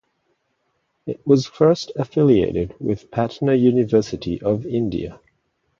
It was first affiliated with Patna University of India.